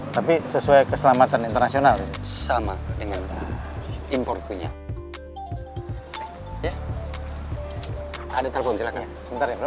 tapi sesuai keselamatan internasional sama dengan impor punya ada telepon silakan sebentar ya bro